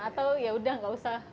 atau ya udah gak usah